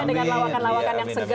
dengan lawakan lawakan yang segar